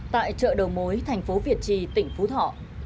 tại chợ đầu mối thành phố việt trì tỉnh phú thọ